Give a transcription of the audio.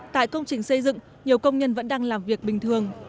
tại công trình xây dựng nhiều công nhân vẫn đang làm việc bình thường